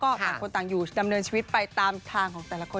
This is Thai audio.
ต่างคนต่างอยู่ดำเนินชีวิตไปตามทางของแต่ละคน